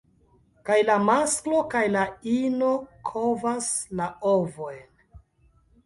Kaj la masklo kaj la ino kovas la ovojn.